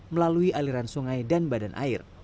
melalui aliran sungai dan badan air